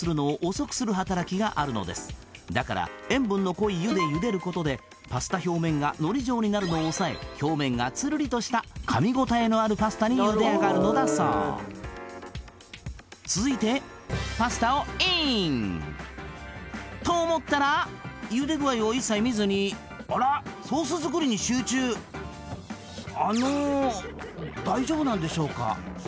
遅くする働きがあるのですだから塩分の濃い湯でゆでることでパスタ表面がのり状になるのを抑え表面がつるりとした噛み応えのあるパスタにゆであがるのだそう続いてパスタをイン！と思ったらゆで具合を一切見ずにあらっソース作りに集中あの大丈夫なんでしょうか？